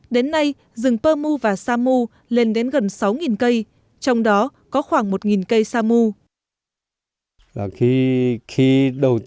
đến nay rừng pơ mu và samu lên đến gần sáu cây trong đó có khoảng một cây sa mu